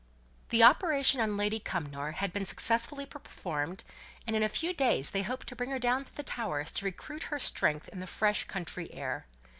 The operation on Lady Cumnor had been successfully performed, and in a few days they hoped to bring her down to the Towers to recruit her strength in the fresh country air.